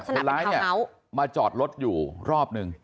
คนร้ายมาจอดรถอยู่รอบหนึ่ง